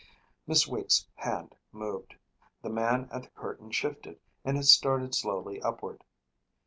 Miss Weeks' hand moved. The man at the curtain shifted and it started slowly upward.